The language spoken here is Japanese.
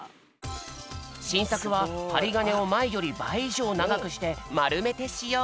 しんさくははりがねをまえよりばいいじょうながくしてまるめてしよう。